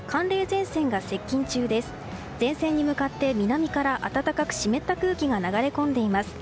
前線に向かって南から暖かく湿った空気が流れ込んでいます。